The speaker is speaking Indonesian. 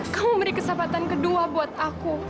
kamu beri kesahpatan kedua buat aku